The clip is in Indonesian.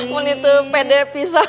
menit pede pisah